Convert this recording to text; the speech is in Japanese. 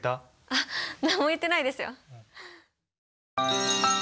あっ何も言ってないですよ！